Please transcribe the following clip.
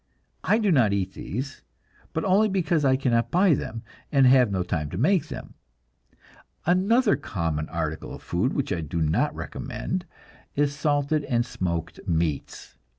I do not eat these but only because I cannot buy them, and have no time to make them. Another common article of food which I do not recommend is salted and smoked meats.